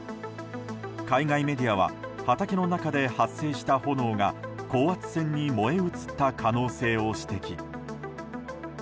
海外メディアは畑の中で発生した炎が高圧線に燃え移った可能性を指摘。